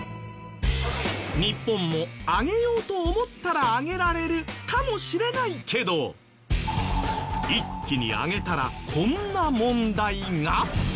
日本も上げようと思ったら上げられるかもしれないけど一気に上げたらこんな問題が。